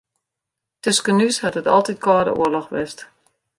Tusken ús hat it altyd kâlde oarloch west.